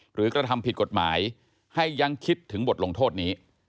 กระทำผิดกฎหมายให้ยังคิดถึงบทลงโทษนี้